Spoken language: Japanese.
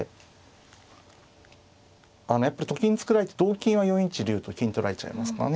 あのやっぱりと金作られて同金は４一竜と金取られちゃいますからね。